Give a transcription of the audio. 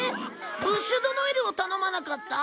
ブッシュドノエルを頼まなかった？